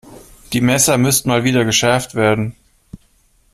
Die Messer müssten Mal wieder geschärft werden.